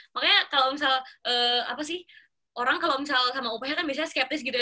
makanya kalau misal apa sih orang kalau misal sama upahnya kan biasanya skeptis gitu ya